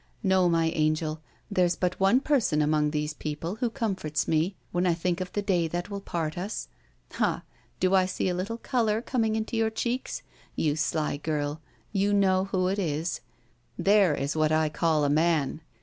No, my angel, there's but one person among these people who comforts me, when I think of the day that will part us. Ha! do I see a little colour coming into your cheeks? You sly girl! you know who it is. There is what I call a Man!